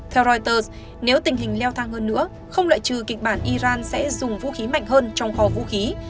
theo reuters nếu tình hình leo thang hơn nữa không loại trừ kịch bản iran sẽ dùng vũ khí mạnh hơn trong kho vũ khí